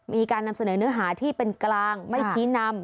มีการนำเสนอเนื้อหาที่เป็นกลางไม่ชี้นำ